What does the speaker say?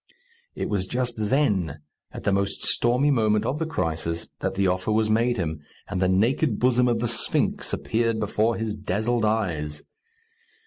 It was just then, at the most stormy moment of the crisis, that the offer was made him, and the naked bosom of the Sphinx appeared before his dazzled eyes.